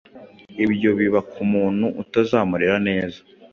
ibyo biba ku muntu utazamurera neza